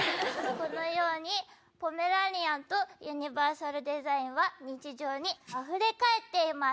このようにポメラニアンとユニバーサルデザインは、日常にあふれ返っています。